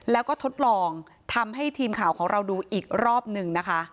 แล้วก็ทดลองทำให้ทีมข่าวของเราดูอีกรอบหนึ่งนะคะ